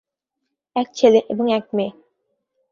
এক ছেলে এবং এক মেয়ে।